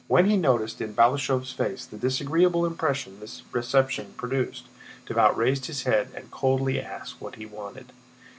When he noticed in Balashëv's face the disagreeable impression this reception produced, Davout raised his head and coldly asked what he wanted.